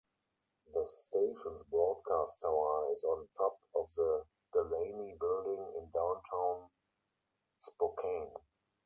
The station's broadcast tower is on top of the Delaney Building in Downtown Spokane.